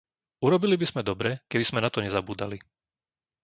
Urobili by sme dobre, keby sme na to nezabúdali.